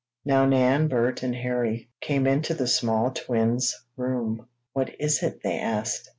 Now Nan, Bert and Harry came into the small twins' room. "What is it?" they asked.